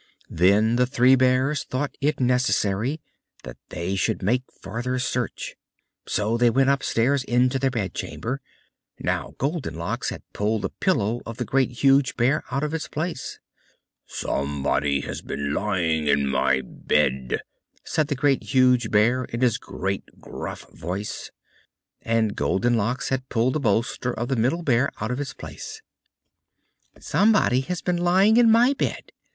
Then the Three Bears thought it necessary that they should make farther search; so they went upstairs into their bedchamber. Now Goldenlocks had pulled the pillow of the Great, Huge Bear out of its place. "SOMEBODY HAS BEEN LYING IN MY BED!" said the Great, Huge Bear, in his great, rough, gruff voice. And Goldenlocks had pulled the bolster of the Middle Bear out of its place. "SOMEBODY HAS BEEN LYING IN MY BED!"